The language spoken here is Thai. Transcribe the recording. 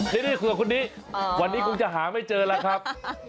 นี่คุณฝรั่งคุณนี้วันนี้คงจะหาไม่เจอเลยครับ